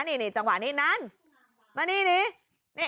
นี่จังหวะนี้นั้นมานี่